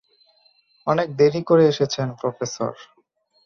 অনেক দেরি করে এসেছেন, প্রফেসর।